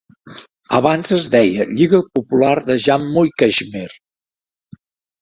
Abans es deia Lliga Popular de Jammu i Caixmir.